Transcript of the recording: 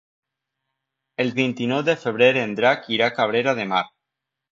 El vint-i-nou de febrer en Drac irà a Cabrera de Mar.